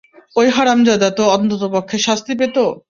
ওই হারামজাদা তো অন্ততপক্ষে শাস্তি পেতো!